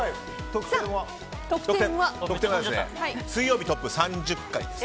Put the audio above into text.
得点は、水曜日トップ３０回。